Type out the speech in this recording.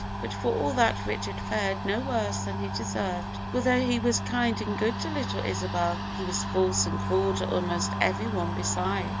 But for all that Richard fared no worse than he deserved, for though he was kind and good to little Isabel, he was false and cruel to almost every one beside.